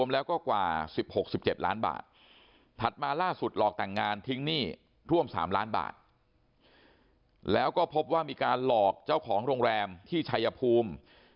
๓ล้านบาทแล้วก็พบว่ามีการหลอกเจ้าของโรงแรมที่ชัยภูมิ